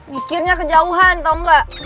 mikirnya kejauhan tau gak